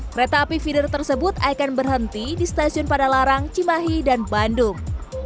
kereta api feeder tersebut akan berhenti di stasiun padalarang cimahi dan bandung